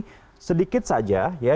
jadi sedikit saja ya